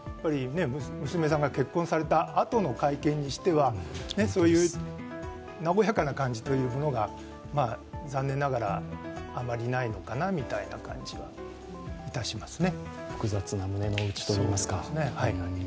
娘さんが結婚されたあとの会見にしては、和やかな感じというものが残念ながらあまりないのかなという感じはいたしますね。